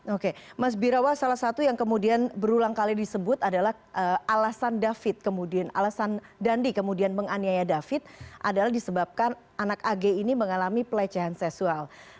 oke mas birawa salah satu yang kemudian berulang kali disebut adalah alasan david kemudian alasan dandi kemudian menganiaya david adalah disebabkan anak ag ini mengalami pelecehan seksual